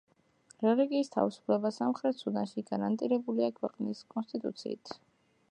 რელიგიის თავისუფლება სამხრეთ სუდანში გარანტირებულია ქვეყნის კონსტიტუციით.